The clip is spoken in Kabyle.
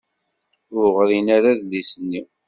Ur ɣrin ara adlis-nni.